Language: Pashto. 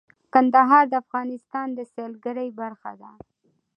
کندهار د افغانستان د سیلګرۍ برخه ده.